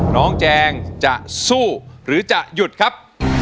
แจงจะสู้หรือจะหยุดครับ